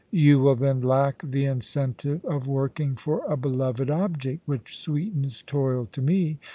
' You will then lack the incentive of working for a beloved object, which sweetens toil to me.